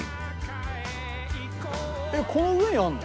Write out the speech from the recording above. えっこの上にあるの？